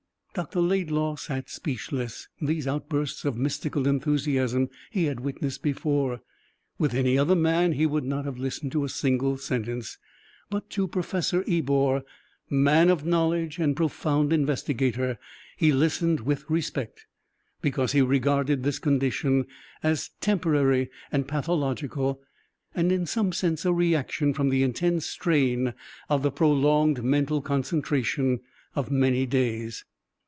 Dr. Laidlaw sat speechless. These outbursts of mystical enthusiasm he had witnessed before. With any other man he would not have listened to a single sentence, but to Professor Ebor, man of knowledge and profound investigator, he listened with respect, because he regarded this condition as temporary and pathological, and in some sense a reaction from the intense strain of the prolonged mental concentration of many days.